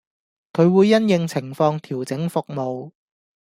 佢會因應情況調整服務